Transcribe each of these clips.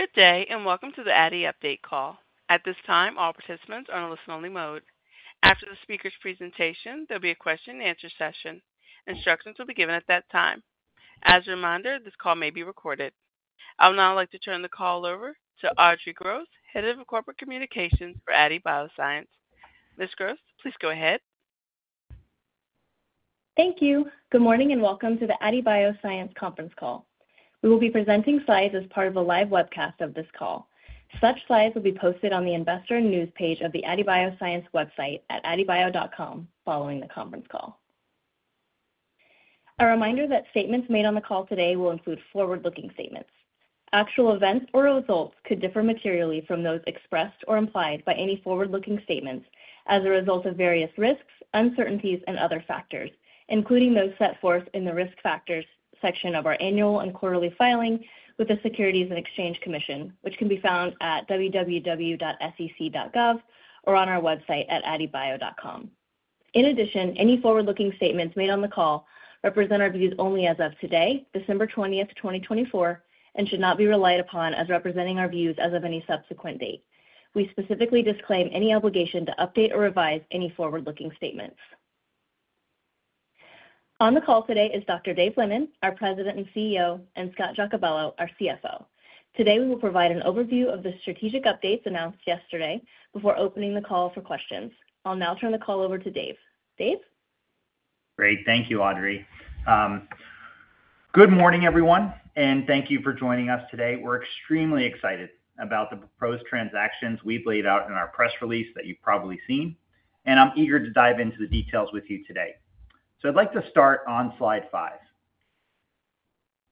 Good day, and welcome to the Aadi update call. At this time, all participants are in a listen-only mode. After the speaker's presentation, there'll be a question-and-answer session. Instructions will be given at that time. As a reminder, this call may be recorded. I would now like to turn the call over to Audrey Gross, Head of Corporate Communications for Aadi Bioscience. Ms. Gross, please go ahead. Thank you. Good morning, and welcome to the Aadi Bioscience conference call. We will be presenting slides as part of a live webcast of this call. Such slides will be posted on the Investor News page of the Aadi Bioscience website at aadibio.com following the conference call. A reminder that statements made on the call today will include forward-looking statements. Actual events or results could differ materially from those expressed or implied by any forward-looking statements as a result of various risks, uncertainties, and other factors, including those set forth in the risk factors section of our annual and quarterly filings with the Securities and Exchange Commission, which can be found at www.sec.gov or on our website at aadibio.com. In addition, any forward-looking statements made on the call represent our views only as of today, December 20th, 2024, and should not be relied upon as representing our views as of any subsequent date. We specifically disclaim any obligation to update or revise any forward-looking statements. On the call today is Dr. Dave Lennon, our President and CEO, and Scott Giacobello, our CFO. Today, we will provide an overview of the strategic updates announced yesterday before opening the call for questions. I'll now turn the call over to Dave. Dave? Great. Thank you, Audrey. Good morning, everyone, and thank you for joining us today. We're extremely excited about the proposed transactions we've laid out in our press release that you've probably seen, and I'm eager to dive into the details with you today. So I'd like to start on slide five.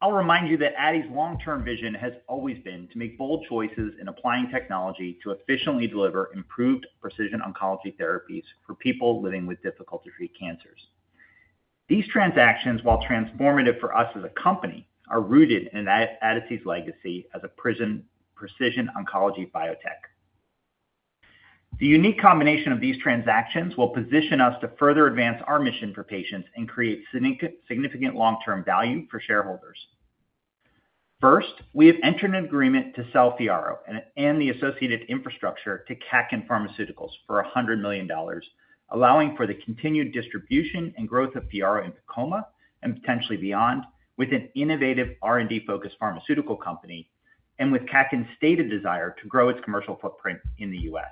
I'll remind you that Aadi's long-term vision has always been to make bold choices in applying technology to efficiently deliver improved precision oncology therapies for people living with difficult-to-treat cancers. These transactions, while transformative for us as a company, are rooted in Aadi's legacy as a precision oncology biotech. The unique combination of these transactions will position us to further advance our mission for patients and create significant long-term value for shareholders. First, we have entered an agreement to sell FYARRO and the associated infrastructure to Kaken Pharmaceuticals for $100 million, allowing for the continued distribution and growth of FYARRO in PEComa and potentially beyond with an innovative R&D-focused pharmaceutical company and with Kaken's stated desire to grow its commercial footprint in the U.S.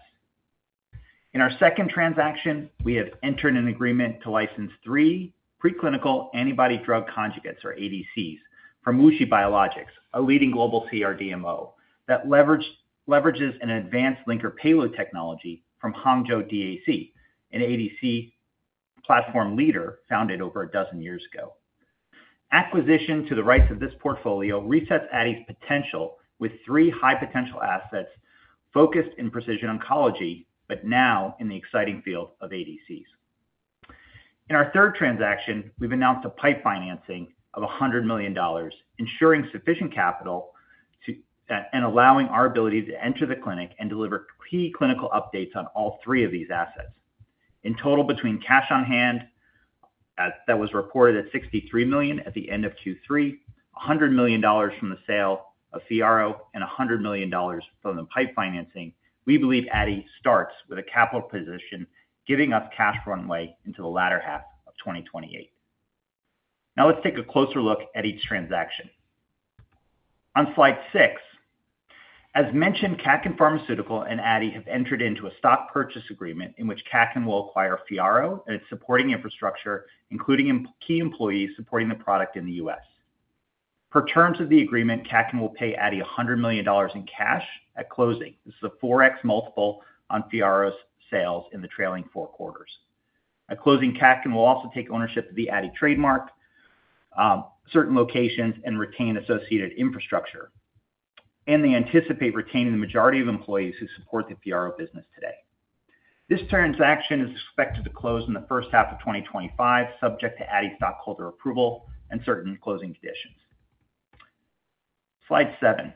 In our second transaction, we have entered an agreement to license three preclinical antibody-drug conjugates, or ADCs, from WuXi Biologics, a leading global CRDMO that leverages an advanced linker payload technology from Hangzhou DAC, an ADC platform leader founded over a dozen years ago. Acquisition of the rights of this portfolio resets Aadi's potential with three high-potential assets focused in precision oncology, but now in the exciting field of ADCs. In our third transaction, we've announced a PIPE financing of $100 million, ensuring sufficient capital and allowing our ability to enter the clinic and deliver key clinical updates on all three of these assets. In total, between cash on hand that was reported at $63 million at the end of Q3, $100 million from the sale of FYARRO, and $100 million from the PIPE financing, we believe Aadi starts with a capital position giving us cash runway into the latter half of 2028. Now, let's take a closer look at each transaction. On slide six, as mentioned, Kaken Pharmaceuticals and Aadi have entered into a stock purchase agreement in which Kaken will acquire FYARRO and its supporting infrastructure, including key employees supporting the product in the U.S. Per terms of the agreement, Kaken will pay Aadi $100 million in cash at closing. This is a 4x multiple on FYARRO's sales in the trailing four quarters. At closing, Kaken will also take ownership of the Aadi trademark, certain locations, and retain associated infrastructure, and they anticipate retaining the majority of employees who support the FYARRO business today. This transaction is expected to close in the first half of 2025, subject to Aadi's stockholder approval and certain closing conditions. Slide seven.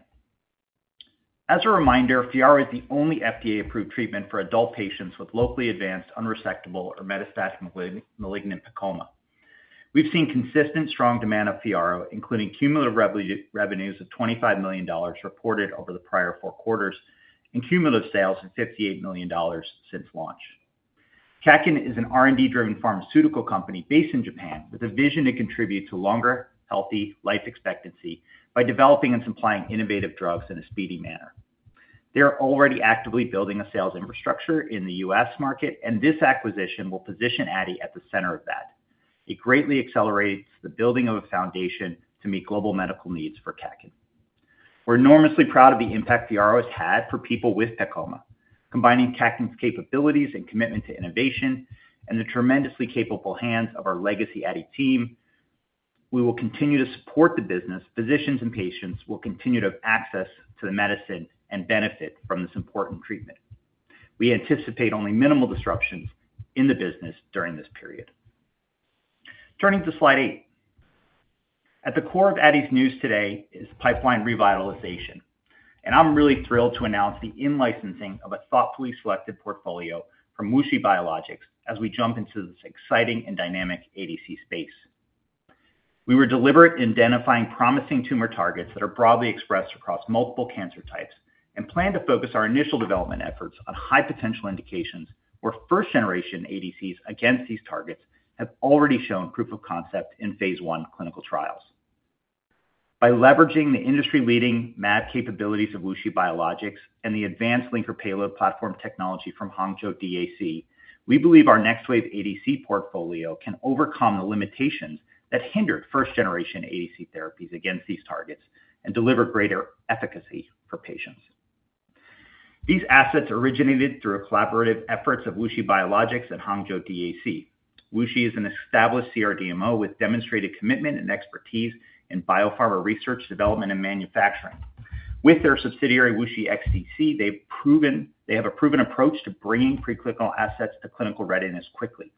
As a reminder, FYARRO is the only FDA-approved treatment for adult patients with locally advanced unresectable or metastatic malignant PEComa. We've seen consistent strong demand of FYARRO, including cumulative revenues of $25 million reported over the prior four quarters and cumulative sales of $58 million since launch. Kaken is an R&D-driven pharmaceutical company based in Japan with a vision to contribute to longer, healthy life expectancy by developing and supplying innovative drugs in a speedy manner. They are already actively building a sales infrastructure in the U.S. market, and this acquisition will position Aadi at the center of that. It greatly accelerates the building of a foundation to meet global medical needs for Kaken. We're enormously proud of the impact FYARRO has had for people with PEComa. Combining Kaken's capabilities and commitment to innovation and the tremendously capable hands of our legacy Aadi team, we will continue to support the business. Physicians and patients will continue to have access to the medicine and benefit from this important treatment. We anticipate only minimal disruptions in the business during this period. Turning to slide eight, at the core of Aadi's news today is pipeline revitalization, and I'm really thrilled to announce the in-licensing of a thoughtfully selected portfolio from WuXi Biologics as we jump into this exciting and dynamic ADC space. We were deliberate in identifying promising tumor targets that are broadly expressed across multiple cancer types and plan to focus our initial development efforts on high-potential indications where first-generation ADCs against these targets have already shown proof of concept in phase I clinical trials. By leveraging the industry-leading CMC capabilities of WuXi Biologics and the advanced linker-payload platform technology from Hangzhou DAC, we believe our next wave ADC portfolio can overcome the limitations that hindered first-generation ADC therapies against these targets and deliver greater efficacy for patients. These assets originated through a collaborative effort of WuXi Biologics and Hangzhou DAC. WuXi is an established CRDMO with demonstrated commitment and expertise in biopharma research, development, and manufacturing. With their subsidiary WuXi XDC, they have a proven approach to bringing preclinical assets to clinical readiness quickly.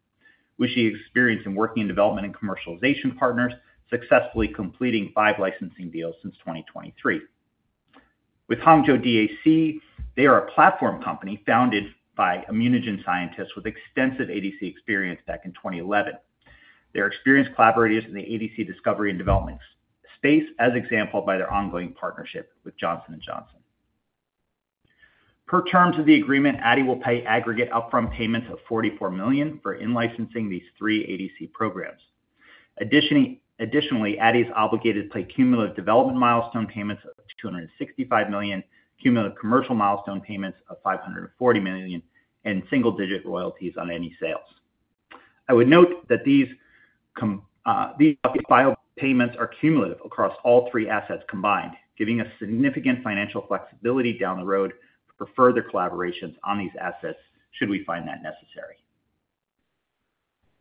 Our experience in working with development and commercialization partners, successfully completing five licensing deals since 2023. With Hangzhou DAC, they are a platform company founded by ImmunoGen scientists with extensive ADC experience back in 2011. They are experienced collaborators in the ADC discovery and development space as exemplified by their ongoing partnership with Johnson & Johnson. Per terms of the agreement, Aadi will pay aggregate upfront payments of $44 million for in-licensing these three ADC programs. Additionally, Aadi is obligated to pay cumulative development milestone payments of $265 million, cumulative commercial milestone payments of $540 million, and single-digit royalties on any sales. I would note that these milestone payments are cumulative across all three assets combined, giving us significant financial flexibility down the road for further collaborations on these assets should we find that necessary.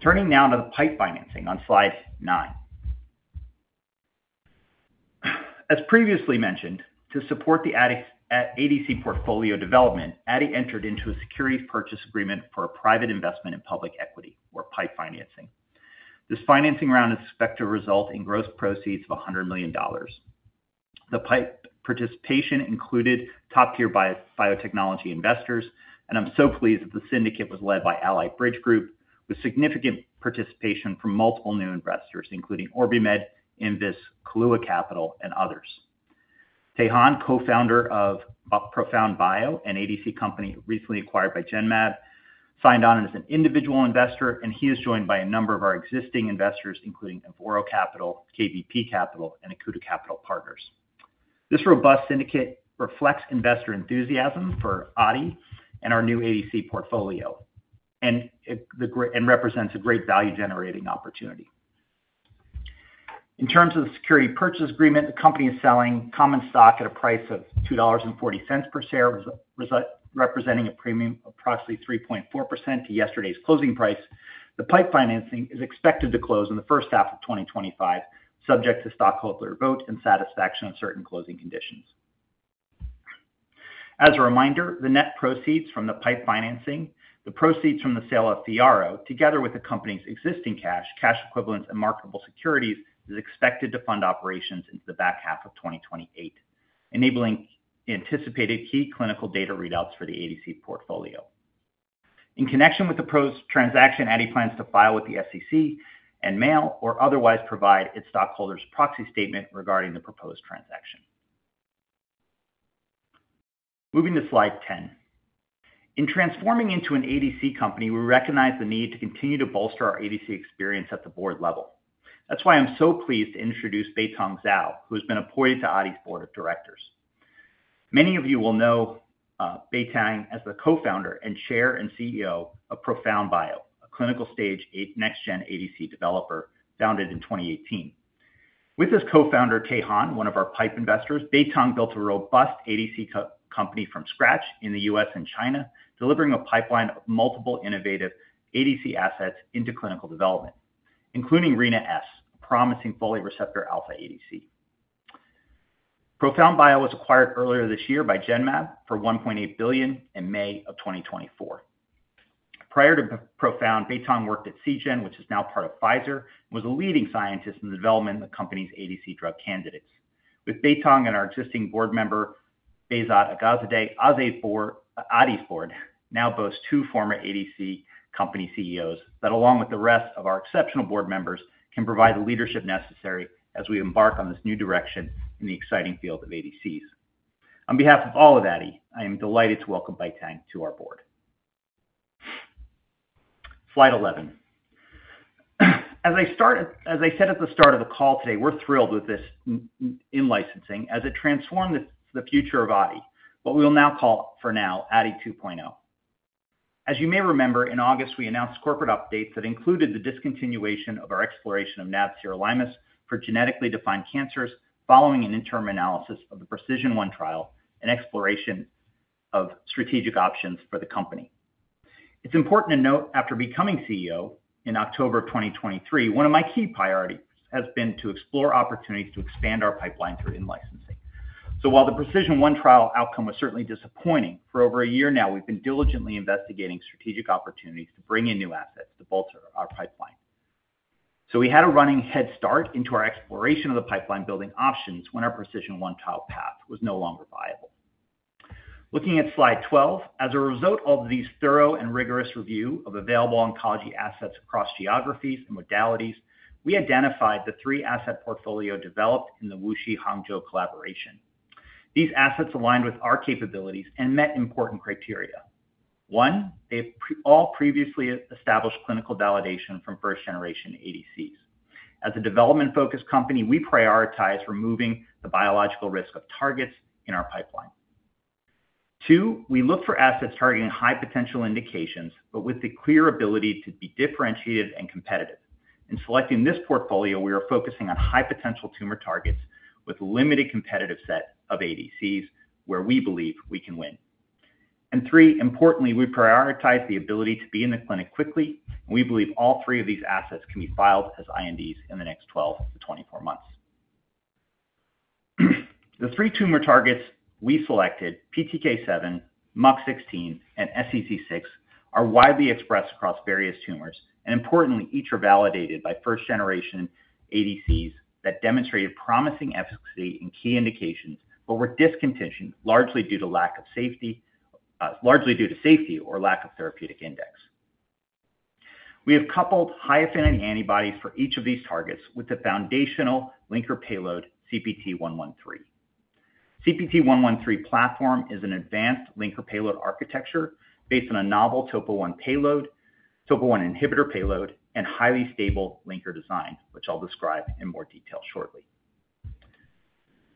Turning now to the PIPE financing on slide nine. As previously mentioned, to support the Aadi's ADC portfolio development, Aadi entered into a securities purchase agreement for a private investment in public equity, or PIPE financing. This financing round is expected to result in gross proceeds of $100 million. The PIPE participation included top-tier biotechnology investors, and I'm so pleased that the syndicate was led by Ally Bridge Group, with significant participation from multiple new investors, including OrbiMed, Invus, KVP Capital, and others. Tae Han, co-founder of ProfoundBio, an ADC company recently acquired by Genmab, signed on as an individual investor, and he is joined by a number of our existing investors, including Avoro Capital, KVP Capital, and Acuta Capital Partners. This robust syndicate reflects investor enthusiasm for Aadi and our new ADC portfolio and represents a great value-generating opportunity. In terms of the securities purchase agreement, the company is selling common stock at a price of $2.40 per share, representing a premium of approximately 3.4% to yesterday's closing price. The PIPE financing is expected to close in the first half of 2025, subject to stockholder vote and satisfaction of certain closing conditions. As a reminder, the net proceeds from the PIPE financing, the proceeds from the sale of FYARRO, together with the company's existing cash, cash equivalents, and marketable securities, is expected to fund operations into the back half of 2028, enabling anticipated key clinical data readouts for the ADC portfolio. In connection with the proposed transaction, Aadi plans to file with the SEC and mail or otherwise provide its stockholders' proxy statement regarding the proposed transaction. Moving to slide 10. In transforming into an ADC company, we recognize the need to continue to bolster our ADC experience at the board level. That's why I'm so pleased to introduce Baiteng Zhao, who has been appointed to Aadi's board of directors. Many of you will know Baiteng as the co-founder and Chair and CEO of ProfoundBio, a clinical-stage next-gen ADC developer founded in 2018. With his co-founder, Tae Han, one of our PIPE investors, Baiteng built a robust ADC company from scratch in the US and China, delivering a pipeline of multiple innovative ADC assets into clinical development, including Rina-S, a promising folate receptor alpha ADC. ProfoundBio was acquired earlier this year by Genmab for $1.8 billion in May of 2024. Prior to Profound, Baiteng worked at Seagen, which is now part of Pfizer, and was a leading scientist in the development of the company's ADC drug candidates. With Baiteng and our existing board member, Behzad Aghazadeh, Aadi's board now boasts two former ADC company CEOs that, along with the rest of our exceptional board members, can provide the leadership necessary as we embark on this new direction in the exciting field of ADCs. On behalf of all of Aadi, I am delighted to welcome Baiteng to our board. Slide 11. As I said at the start of the call today, we're thrilled with this in-licensing as it transformed the future of Aadi, what we'll now call for now Aadi 2.0. As you may remember, in August, we announced corporate updates that included the discontinuation of our exploration of nab-sirolimus for genetically defined cancers following an interim analysis of the PRECISION1 trial and exploration of strategic options for the company. It's important to note, after becoming CEO in October of 2023, one of my key priorities has been to explore opportunities to expand our pipeline through in-licensing, so while the PRECISION1 trial outcome was certainly disappointing, for over a year now, we've been diligently investigating strategic opportunities to bring in new assets to bolster our pipeline, so we had a running head start into our exploration of the pipeline building options when our PRECISION1 trial path was no longer viable. Looking at slide 12, as a result of these thorough and rigorous review of available oncology assets across geographies and modalities, we identified the three asset portfolio developed in the WuXi-Hangzhou collaboration. These assets aligned with our capabilities and met important criteria. One, they all previously established clinical validation from first-generation ADCs. As a development-focused company, we prioritize removing the biological risk of targets in our pipeline. Two, we look for assets targeting high-potential indications, but with the clear ability to be differentiated and competitive. In selecting this portfolio, we are focusing on high-potential tumor targets with a limited competitive set of ADCs where we believe we can win. And three, importantly, we prioritize the ability to be in the clinic quickly, and we believe all three of these assets can be filed as INDs in the next 12 to 24 months. The three tumor targets we selected, PTK7, MUC16, and SEZ6, are widely expressed across various tumors, and importantly, each are validated by first-generation ADCs that demonstrated promising efficacy in key indications, but were discontinued largely due to lack of safety or lack of therapeutic index. We have coupled high-affinity antibodies for each of these targets with the foundational linker payload CPT113. CPT113 platform is an advanced linker payload architecture based on a novel topo-1 payload, topo-1 inhibitor payload, and highly stable linker design, which I'll describe in more detail shortly.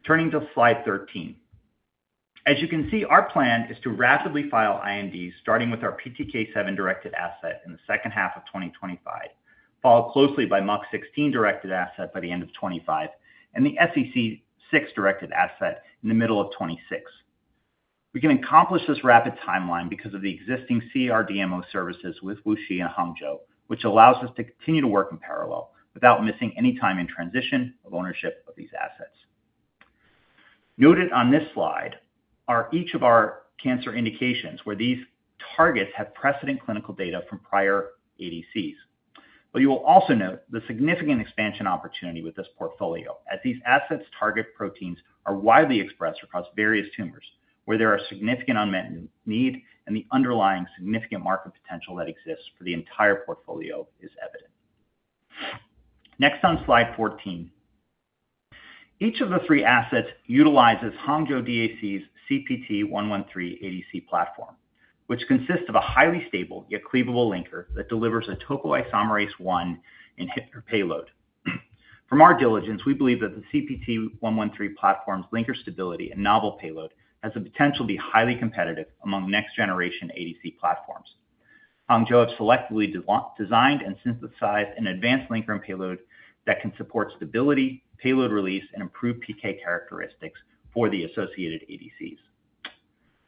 Turning to slide 13. As you can see, our plan is to rapidly file INDs starting with our PTK7-directed asset in the second half of 2025, followed closely by MUC16-directed asset by the end of 2025, and the SEZ6-directed asset in the middle of 2026. We can accomplish this rapid timeline because of the existing CRDMO services with WuXi and Hangzhou, which allows us to continue to work in parallel without missing any time in transition of ownership of these assets. Noted on this slide are each of our cancer indications where these targets have precedent clinical data from prior ADCs. But you will also note the significant expansion opportunity with this portfolio as these assets target proteins are widely expressed across various tumors where there are significant unmet needs and the underlying significant market potential that exists for the entire portfolio is evident. Next on slide 14. Each of the three assets utilizes Hangzhou DAC's CPT113 ADC platform, which consists of a highly stable yet cleavable linker that delivers a topoisomerase-1 inhibitor payload. From our diligence, we believe that the CPT113 platform's linker stability and novel payload has the potential to be highly competitive among next-generation ADC platforms. Hangzhou have selectively designed and synthesized an advanced linker and payload that can support stability, payload release, and improved PK characteristics for the associated ADCs.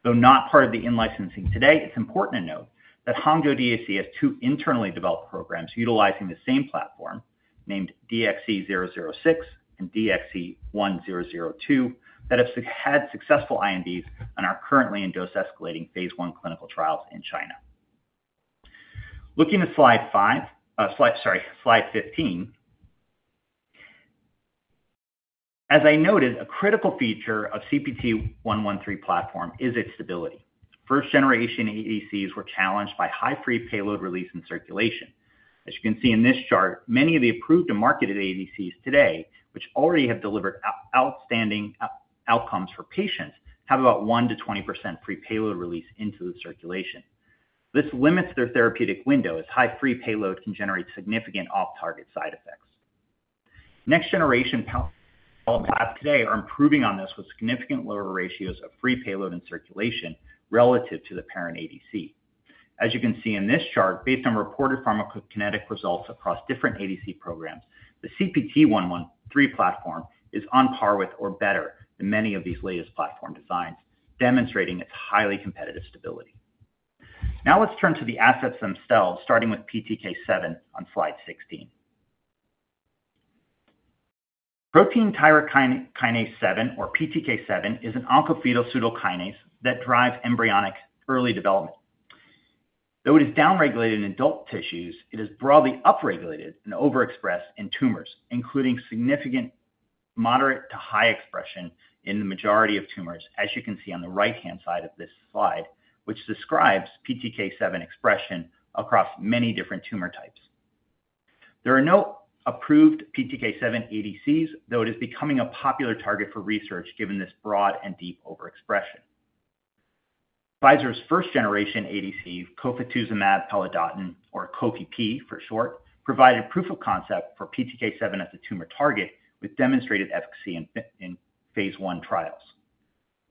Though not part of the in-licensing today, it's important to note that Hangzhou DAC has two internally developed programs utilizing the same platform named DXC006 and DXC1002 that have had successful INDs and are currently in dose-escalating phase I clinical trials in China. Looking at slide 5, sorry, slide 15. As I noted, a critical feature of CPT113 platform is its stability. First-generation ADCs were challenged by high free payload release in circulation. As you can see in this chart, many of the approved and marketed ADCs today, which already have delivered outstanding outcomes for patients, have about 1%-20% free payload release into the circulation. This limits their therapeutic window as high free payload can generate significant off-target side effects. Next-generation ADCs today are improving on this with significant lower ratios of free payload in circulation relative to the parent ADC. As you can see in this chart, based on reported pharmacokinetic results across different ADC programs, the CPT113 platform is on par with or better than many of these latest platform designs, demonstrating its highly competitive stability. Now let's turn to the assets themselves, starting with PTK7 on slide 16. Protein tyrosine kinase 7, or PTK7, is an oncofetal pseudokinase that drives embryonic development. Though it is downregulated in adult tissues, it is broadly upregulated and overexpressed in tumors, including significant moderate to high expression in the majority of tumors, as you can see on the right-hand side of this slide, which describes PTK7 expression across many different tumor types. There are no approved PTK7 ADCs, though it is becoming a popular target for research given this broad and deep overexpression. Pfizer's first-generation ADC, Cofetuzumab pelidotin, or COPP for short, provided proof of concept for PTK7 as a tumor target with demonstrated efficacy in phase I trials.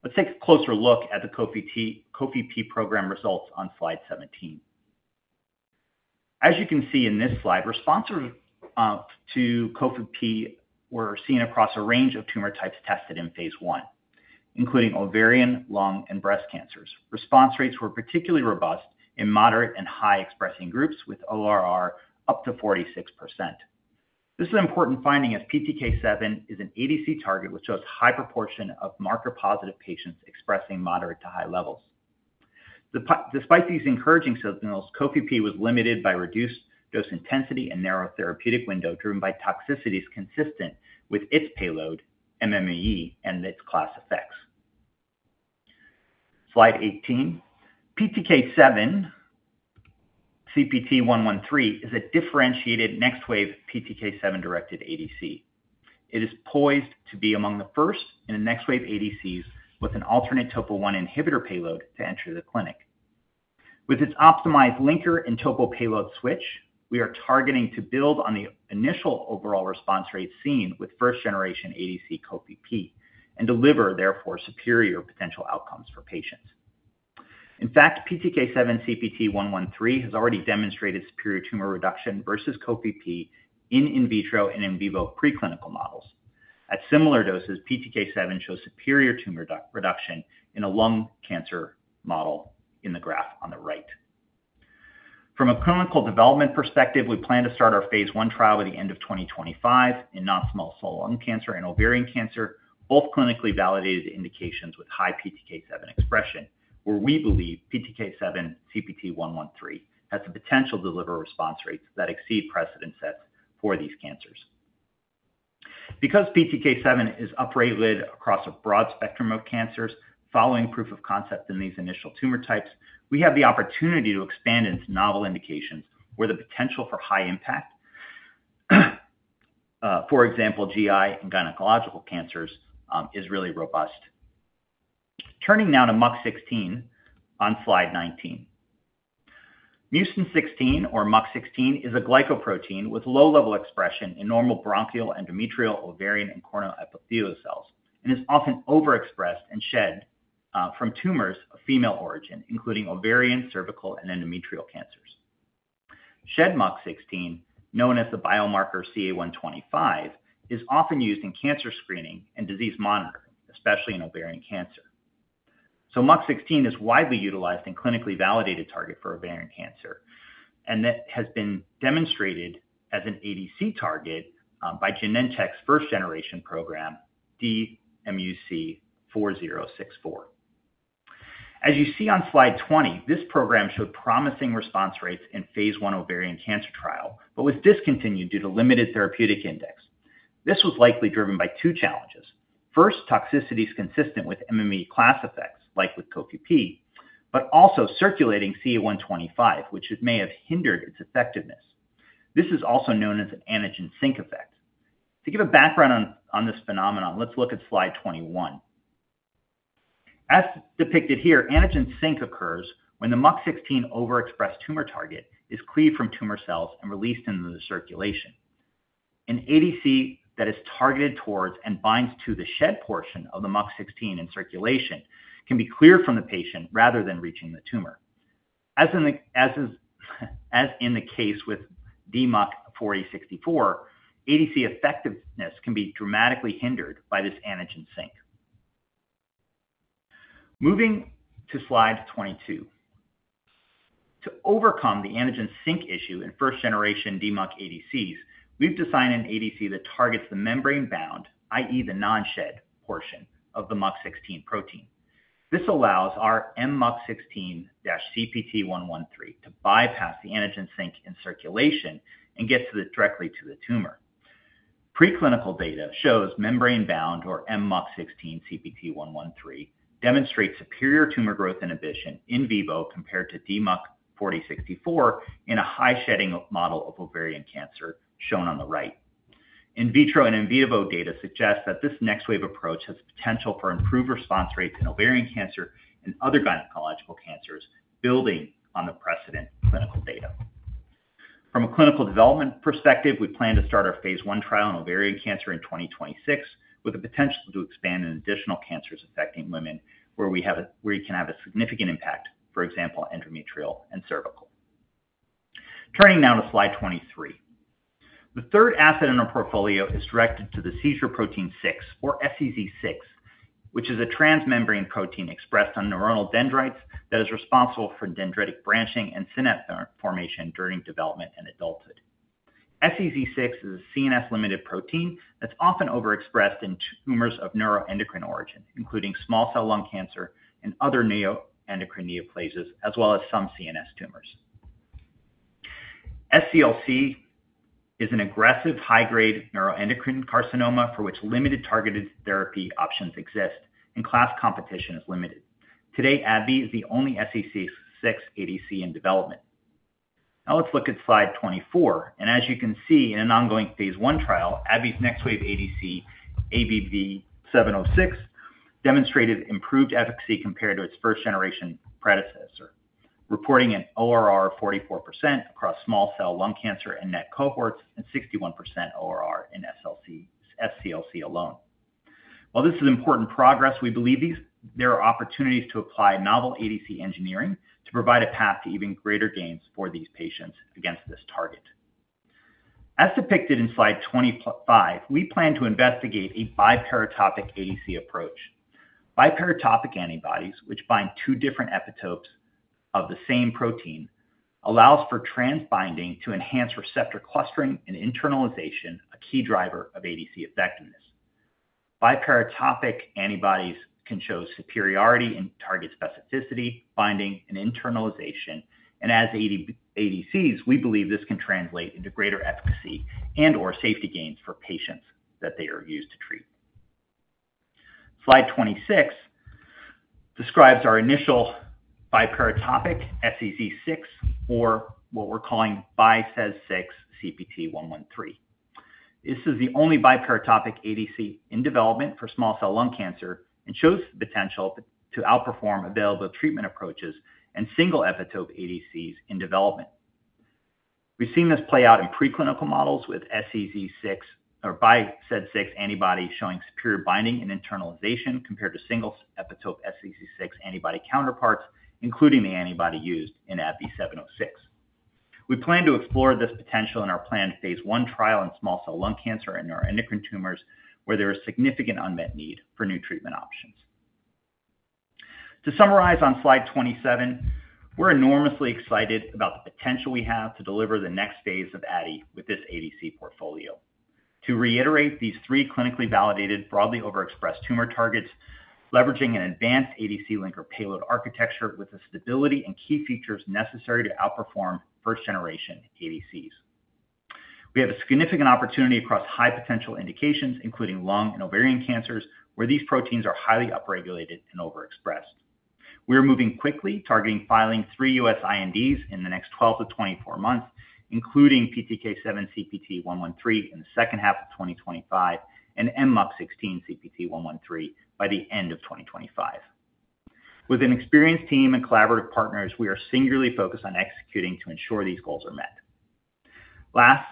Let's take a closer look at the COPP program results on slide 17. As you can see in this slide, responses to COPP were seen across a range of tumor types tested in phase I, including ovarian, lung, and breast cancers. Response rates were particularly robust in moderate and high-expressing groups with ORR up to 46%. This is an important finding as PTK7 is an ADC target with just a high proportion of marker-positive patients expressing moderate to high levels. Despite these encouraging signals, COPP was limited by reduced dose intensity and narrow therapeutic window driven by toxicities consistent with its payload, MMAE, and its class effects. Slide 18. PTK7 CPT113 is a differentiated next-wave PTK7-directed ADC. It is poised to be among the first in the next-wave ADCs with an alternate topo-1 inhibitor payload to enter the clinic. With its optimized linker and topo payload switch, we are targeting to build on the initial overall response rate seen with first-generation ADC COPP and deliver, therefore, superior potential outcomes for patients. In fact, PTK7 CPT113 has already demonstrated superior tumor reduction versus COPP in in vitro and in vivo preclinical models. At similar doses, PTK7 shows superior tumor reduction in a lung cancer model in the graph on the right. From a clinical development perspective, we plan to start our phase I trial by the end of 2025 in non-small cell lung cancer and ovarian cancer, both clinically validated indications with high PTK7 expression, where we believe PTK7 CPT113 has the potential to deliver response rates that exceed precedent sets for these cancers. Because PTK7 is upregulated across a broad spectrum of cancers following proof of concept in these initial tumor types, we have the opportunity to expand its novel indications where the potential for high impact, for example, GI and gynecological cancers, is really robust. Turning now to MUC16 on slide 19. MUC16, or MUC16, is a glycoprotein with low-level expression in normal bronchial, endometrial, ovarian, and corneal epithelial cells and is often overexpressed and shed from tumors of female origin, including ovarian, cervical, and endometrial cancers. Shed MUC16, known as the biomarker CA125, is often used in cancer screening and disease monitoring, especially in ovarian cancer, so MUC16 is widely utilized in clinically validated target for ovarian cancer and has been demonstrated as an ADC target by Genentech's first-generation program, DMUC4064. As you see on slide 20, this program showed promising response rates in phase I ovarian cancer trial, but was discontinued due to limited therapeutic index. This was likely driven by two challenges. First, toxicities consistent with MMAE class effects, like with COPP, but also circulating CA125, which may have hindered its effectiveness. This is also known as an antigen sink effect. To give a background on this phenomenon, let's look at slide 21. As depicted here, antigen sink occurs when the MUC16 overexpressed tumor target is cleaved from tumor cells and released into the circulation. An ADC that is targeted towards and binds to the shed portion of the MUC16 in circulation can be cleared from the patient rather than reaching the tumor. As in the case with DMUC4064, ADC effectiveness can be dramatically hindered by this antigen sink. Moving to slide 22. To overcome the antigen sink issue in first-generation DMUC ADCs, we've designed an ADC that targets the membrane-bound, i.e., the non-shed portion of the MUC16 protein. This allows our MUC16-CPT113 to bypass the antigen sink in circulation and get directly to the tumor. Preclinical data shows membrane-bound, or MUC16-CPT113, demonstrates superior tumor growth inhibition in vivo compared to DMUC4064 in a high-shedding model of ovarian cancer shown on the right. In vitro and in vivo data suggest that this next-wave approach has potential for improved response rates in ovarian cancer and other gynecological cancers, building on the precedent clinical data. From a clinical development perspective, we plan to start our phase I trial in ovarian cancer in 2026 with the potential to expand in additional cancers affecting women where we can have a significant impact, for example, endometrial and cervical. Turning now to slide 23. The third asset in our portfolio is directed to the seizure protein 6, or SEZ6, which is a transmembrane protein expressed on neuronal dendrites that is responsible for dendritic branching and synapse formation during development and adulthood. SEZ6 is a CNS-limited protein that's often overexpressed in tumors of neuroendocrine origin, including small cell lung cancer and other neuroendocrine neoplasms, as well as some CNS tumors. SCLC is an aggressive high-grade neuroendocrine carcinoma for which limited targeted therapy options exist, and class competition is limited. Today, AbbVie is the only SEZ6 ADC in development. Now let's look at slide 24 and as you can see, in an ongoing phase I trial, AbbVie's next-wave ADC, ABBV-706, demonstrated improved efficacy compared to its first-generation predecessor, reporting an ORR of 44% across small cell lung cancer and NET cohorts and 61% ORR in SCLC alone. While this is important progress, we believe there are opportunities to apply novel ADC engineering to provide a path to even greater gains for these patients against this target. As depicted in slide 25, we plan to investigate a biparatopic ADC approach. Biparatopic antibodies, which bind two different epitopes of the same protein, allow for transbinding to enhance receptor clustering and internalization, a key driver of ADC effectiveness. Biparatopic antibodies can show superiority in target specificity, binding, and internalization. And as ADCs, we believe this can translate into greater efficacy and/or safety gains for patients that they are used to treat. Slide 26 describes our initial biparatopic SEZ6, or what we're calling biSEZ6-CPT113. This is the only biparatopic ADC in development for small cell lung cancer and shows the potential to outperform available treatment approaches and single-epitope ADCs in development. We've seen this play out in preclinical models with SEZ6 antibody showing superior binding and internalization compared to single-epitope SEZ6 antibody counterparts, including the antibody used in ABBV-706. We plan to explore this potential in our planned phase I trial in small cell lung cancer and neuroendocrine tumors, where there is significant unmet need for new treatment options. To summarize on slide 27, we're enormously excited about the potential we have to deliver the next phase of Aadi with this ADC portfolio. To reiterate, these three clinically validated, broadly overexpressed tumor targets, leveraging an advanced ADC linker payload architecture with the stability and key features necessary to outperform first-generation ADCs. We have a significant opportunity across high potential indications, including lung and ovarian cancers, where these proteins are highly upregulated and overexpressed. We are moving quickly, targeting filing three U.S. INDs in the next 12-24 months, including PTK7 CPT113 in the second half of 2025 and MUC16 CPT113 by the end of 2025. With an experienced team and collaborative partners, we are singularly focused on executing to ensure these goals are met. Last,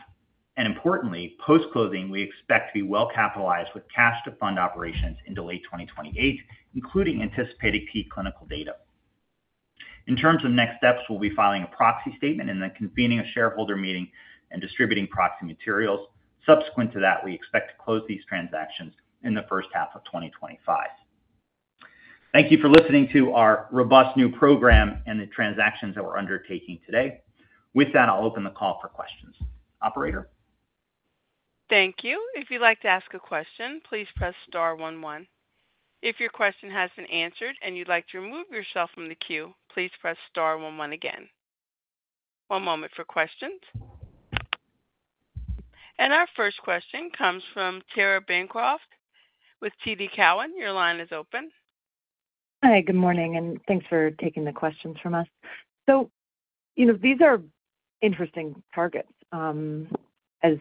and importantly, post-closing, we expect to be well capitalized with cash to fund operations into late 2028, including anticipated preclinical data. In terms of next steps, we'll be filing a proxy statement and then convening a shareholder meeting and distributing proxy materials. Subsequent to that, we expect to close these transactions in the first half of 2025. Thank you for listening to our robust new program and the transactions that we're undertaking today. With that, I'll open the call for questions. Operator? Thank you. If you'd like to ask a question, please press star 11. If your question has been answered and you'd like to remove yourself from the queue, please press star 11 again. One moment for questions, and our first question comes from Tara Bancroft with TD Cowen. Your line is open. Hi, good morning, and thanks for taking the questions from us. So these are interesting targets, as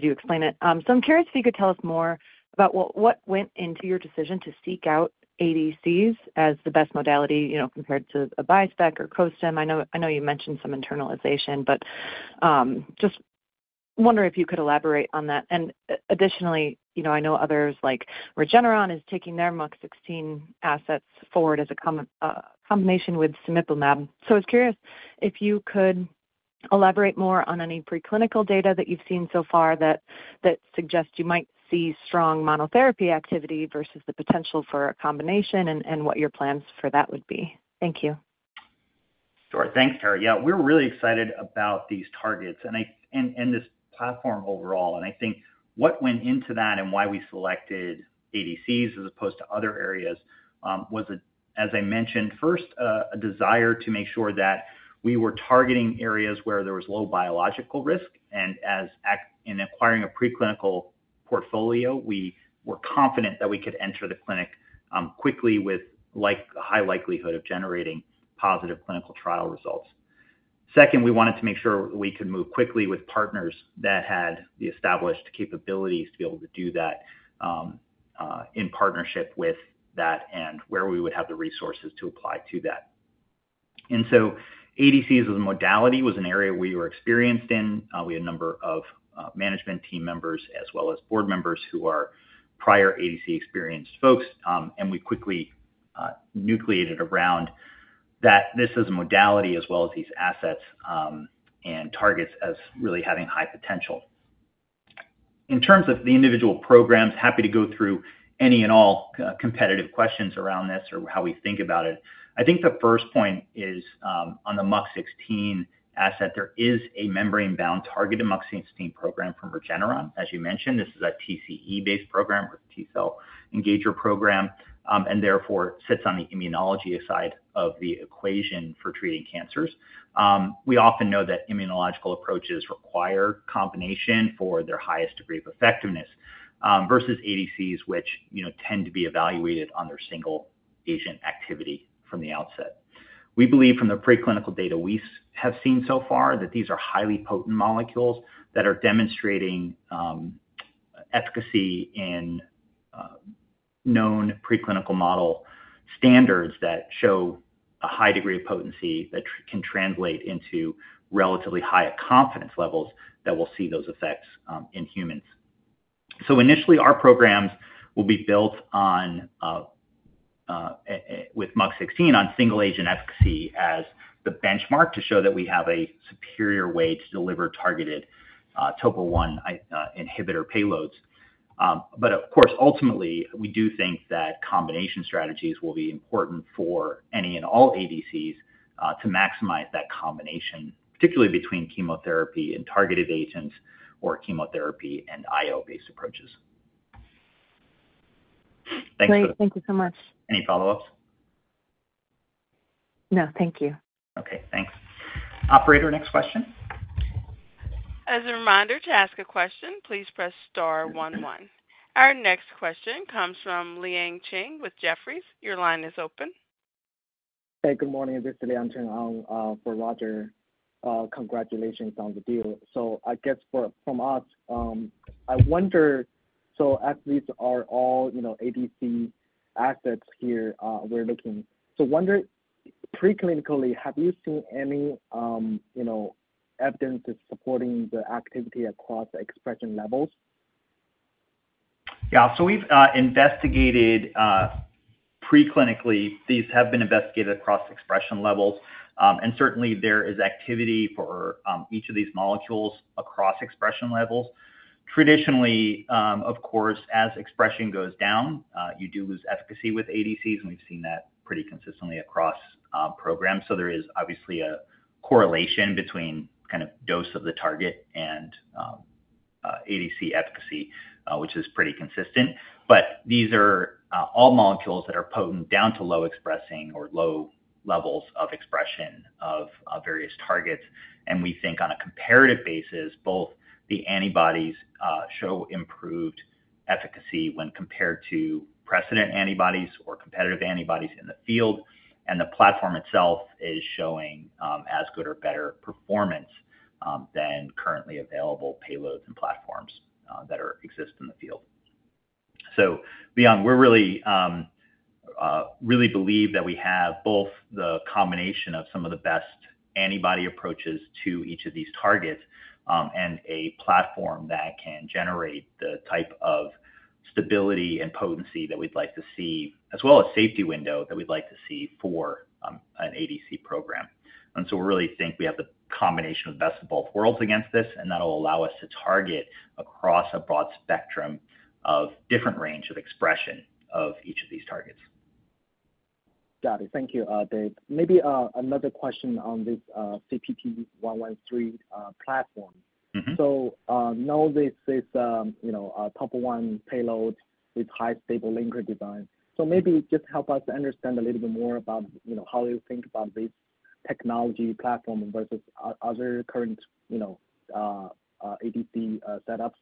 you explain it. So I'm curious if you could tell us more about what went into your decision to seek out ADCs as the best modality compared to a bispecific or costim. I know you mentioned some internalization, but just wonder if you could elaborate on that. And additionally, I know others like Regeneron are taking their MUC16 assets forward as a combination with cemiplimab. So I was curious if you could elaborate more on any preclinical data that you've seen so far that suggests you might see strong monotherapy activity versus the potential for a combination and what your plans for that would be. Thank you. Sure. Thanks, Tara. Yeah, we're really excited about these targets and this platform overall, and I think what went into that and why we selected ADCs as opposed to other areas was, as I mentioned, first, a desire to make sure that we were targeting areas where there was low biological risk, and in acquiring a preclinical portfolio, we were confident that we could enter the clinic quickly with a high likelihood of generating positive clinical trial results. Second, we wanted to make sure we could move quickly with partners that had the established capabilities to be able to do that in partnership with that and where we would have the resources to apply to that. And so ADCs as a modality was an area we were experienced in. We had a number of management team members as well as board members who are prior ADC-experienced folks. And we quickly nucleated around that this as a modality as well as these assets and targets as really having high potential. In terms of the individual programs, happy to go through any and all competitive questions around this or how we think about it. I think the first point is on the MUC16 asset. There is a membrane-bound targeted MUC16 program from Regeneron, as you mentioned. This is a TCE-based program or T-cell engager program and therefore sits on the immunology side of the equation for treating cancers. We often know that immunological approaches require combination for their highest degree of effectiveness versus ADCs, which tend to be evaluated on their single agent activity from the outset. We believe from the preclinical data we have seen so far that these are highly potent molecules that are demonstrating efficacy in known preclinical model standards that show a high degree of potency that can translate into relatively high confidence levels that will see those effects in humans. So initially, our programs will be built with MUC16 on single agent efficacy as the benchmark to show that we have a superior way to deliver targeted topo-1 inhibitor payloads. But of course, ultimately, we do think that combination strategies will be important for any and all ADCs to maximize that combination, particularly between chemotherapy and targeted agents or chemotherapy and IO-based approaches. Thanks. Great. Thank you so much. Any follow-ups? No. Thank you. Okay. Thanks. Operator, next question. As a reminder to ask a question, please press star 11. Our next question comes from Liang Cheng with Jefferies. Your line is open. Hey, good morning. This is Liang Cheng for Roger. Congratulations on the deal. So I guess from us, I wonder, so as these are all ADC assets here, we're looking. So wonder preclinically, have you seen any evidence supporting the activity across expression levels? Yeah. So we've investigated preclinically. These have been investigated across expression levels. And certainly, there is activity for each of these molecules across expression levels. Traditionally, of course, as expression goes down, you do lose efficacy with ADCs, and we've seen that pretty consistently across programs. So there is obviously a correlation between kind of dose of the target and ADC efficacy, which is pretty consistent. But these are all molecules that are potent down to low expressing or low levels of expression of various targets. And we think on a comparative basis, both the antibodies show improved efficacy when compared to precedent antibodies or competitive antibodies in the field. And the platform itself is showing as good or better performance than currently available payloads and platforms that exist in the field. We really believe that we have both the combination of some of the best antibody approaches to each of these targets and a platform that can generate the type of stability and potency that we'd like to see, as well as safety window that we'd like to see for an ADC program. And so we really think we have the combination of best of both worlds against this, and that will allow us to target across a broad spectrum of different range of expression of each of these targets. Got it. Thank you, Dave. Maybe another question on this CPT113 platform. So now this is a topoisomerase-1 payload with highly stable linker design. So maybe just help us understand a little bit more about how you think about this technology platform versus other current ADC setups?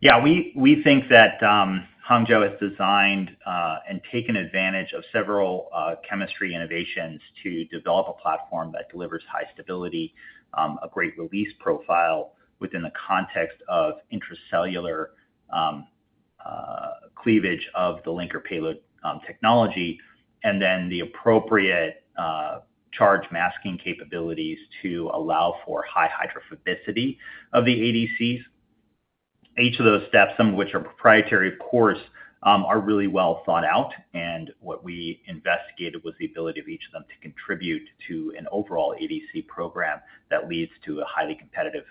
Yeah. We think that Hangzhou has designed and taken advantage of several chemistry innovations to develop a platform that delivers high stability, a great release profile within the context of intracellular cleavage of the linker payload technology, and then the appropriate charge masking capabilities to allow for high hydrophobicity of the ADCs. Each of those steps, some of which are proprietary, of course, are really well thought out, and what we investigated was the ability of each of them to contribute to an overall ADC program that leads to a highly competitive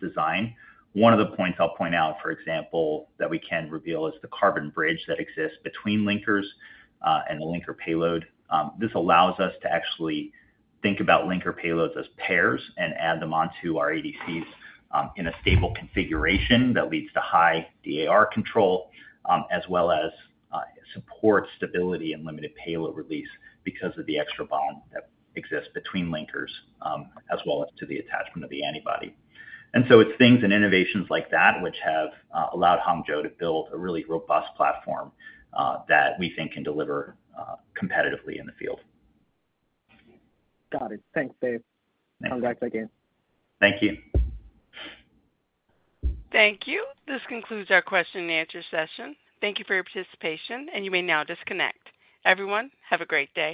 design. One of the points I'll point out, for example, that we can reveal is the carbon bridge that exists between linkers and the linker payload. This allows us to actually think about linker payloads as pairs and add them onto our ADCs in a stable configuration that leads to high DAR control, as well as support stability and limited payload release because of the extra bond that exists between linkers, as well as to the attachment of the antibody. And so it's things and innovations like that which have allowed Hangzhou to build a really robust platform that we think can deliver competitively in the field. Got it. Thanks, Dave. Congrats again. Thank you. Thank you. This concludes our question-and-answer session. Thank you for your participation, and you may now disconnect. Everyone, have a great day.